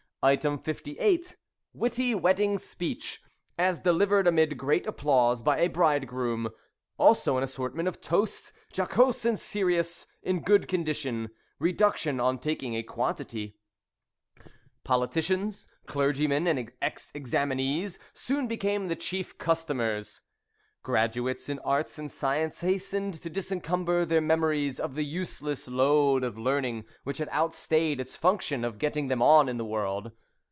58. Witty wedding speech, as delivered amid great applause by a bridegroom. Also an assortment of toasts, jocose and serious, in good condition. Reduction on taking a quantity. [Illustration: "A CLERGYMAN RECENTLY ORDAINED."] Politicians, clergymen, and ex examinees soon became the chief customers. Graduates in arts and science hastened to discumber their memories of the useless load of learning which had outstayed its function of getting them on in the world.